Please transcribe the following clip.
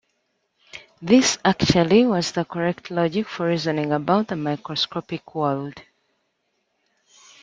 This, actually, was the correct logic for reasoning about the microscopic world.